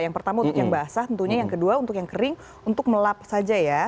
yang pertama untuk yang basah tentunya yang kedua untuk yang kering untuk melap saja ya